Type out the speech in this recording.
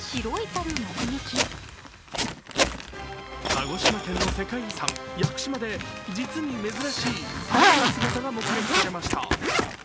鹿児島県の世界遺産、屋久島で実に珍しい猿の姿が目撃されました。